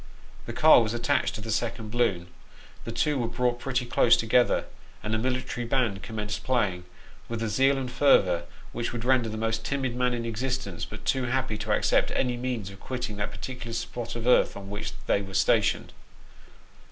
The car was attached to the second balloon, the two were brought pretty close together, and a military band commenced playing, with a zeal and fervour which would render the most timid man in existence but too happy to accept any means of quitting that particular spot of earth on which they were stationed.